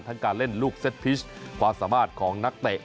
การเล่นลูกเซ็ตพิชความสามารถของนักเตะ